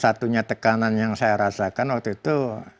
satunya tekanan yang saya rasakan waktu itu